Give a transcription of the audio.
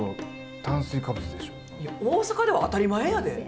大阪では当たり前やで。